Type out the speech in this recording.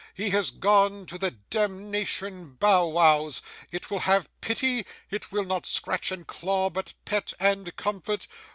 He has gone to the demnition bow wows. It will have pity? It will not scratch and claw, but pet and comfort?